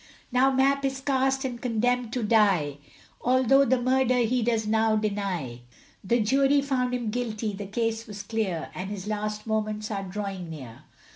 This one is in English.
Now Mapp is cast and condemned to die, Although the murder he does now deny; The jury found him guilty, the case was clear, And his last moments are drawing near.